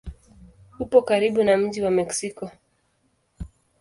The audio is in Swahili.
Upo karibu na mji wa Meksiko.